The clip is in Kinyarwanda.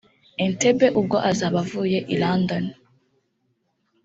Entebbe ubwo azaba avuye I London